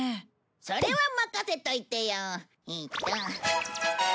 それは任せといてよ。